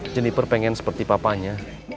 jeniper pengen seperti papanya